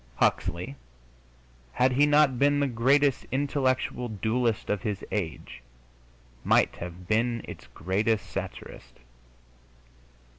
Huxley, had he not been the greatest intellectual duellist of his age, might have been its greatest satirist.